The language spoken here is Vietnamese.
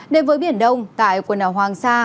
đến với biển đông tại quần ảo hoàng sa